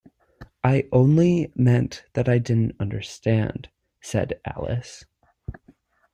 ‘I only meant that I didn’t understand,’ said Alice.